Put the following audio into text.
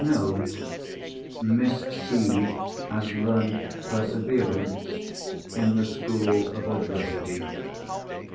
But, no—Miss C. has learnt Perseverance in the School of Adversity.